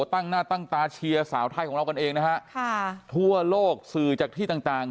ตั้งหน้าตั้งตาเชียร์สาวไทยของเรากันเองนะฮะค่ะทั่วโลกสื่อจากที่ต่างต่าง